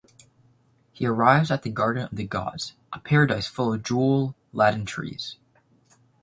He arrives at the Garden of the gods, a paradise full of jewel-laden trees.